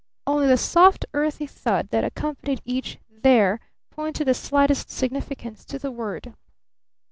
Only the soft earthy thud that accompanied each "There" pointed the slightest significance to the word.